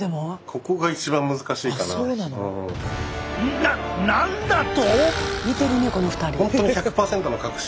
な何だと！？